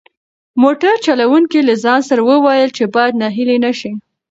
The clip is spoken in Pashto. موټر چلونکي له ځان سره وویل چې باید ناهیلی نشي.